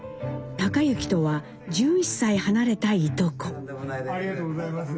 隆之とは１１歳離れたいとこ。